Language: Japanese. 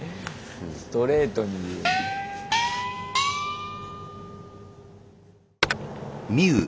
ストレートに言う。